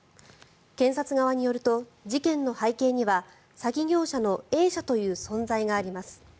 検察側によると事件の背景には詐欺業者のＡ社という存在があります。